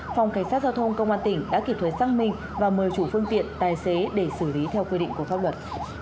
phòng cảnh sát giao thông công an tỉnh đã kịp thời xăng minh và mời chủ phương tiện tài xế để xử lý theo quy định của pháp luật